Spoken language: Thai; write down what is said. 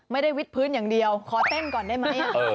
วิทพื้นอย่างเดียวขอเต้นก่อนได้ไหม